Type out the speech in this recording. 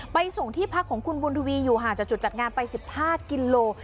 ส่งที่พักของคุณบุญทวีอยู่ห่างจากจุดจัดงานไป๑๕กิโล